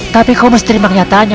tapi kamu mesti terima kenyataan